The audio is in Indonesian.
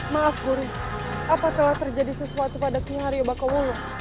maaf guru apa telah terjadi sesuatu pada kihari obakawulu